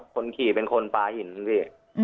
คนขี่เป็นคนปลาหินพี่